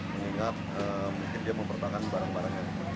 mengingat mungkin dia mempertahankan barang barangnya